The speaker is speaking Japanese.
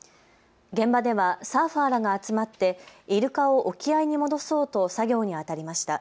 現場ではサーファーらが集まってイルカを沖合に戻そうと作業にあたりました。